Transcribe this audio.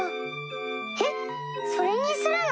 えっそれにするの？